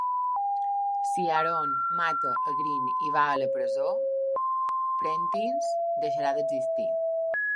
Si Aaron mata a Greene i va a la presó, Prentice deixarà d'existir.